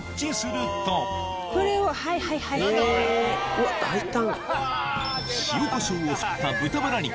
うわ大胆。